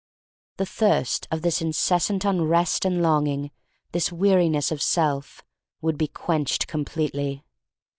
The thirst of this incessant unrest and longing, this weariness of self, would be quenched completely.